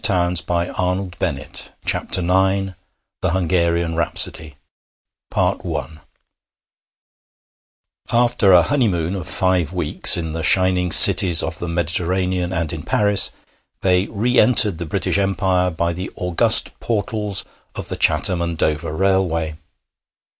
PART II ABROAD THE HUNGARIAN RHAPSODY I After a honeymoon of five weeks in the shining cities of the Mediterranean and in Paris, they re entered the British Empire by the august portals of the Chatham and Dover Railway.